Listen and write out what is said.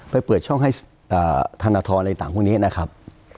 เปิดช่องให้ธนทรอะไรต่างพวกนี้นะครับ